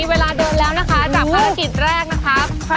เวลาเดินแล้วนะคะจากภารกิจแรกนะคะ